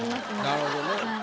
なるほどね。